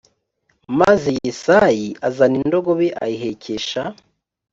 maze yesayi azana indogobe ayihekesha